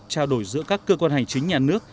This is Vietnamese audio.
trao đổi giữa các cơ quan hành chính nhà nước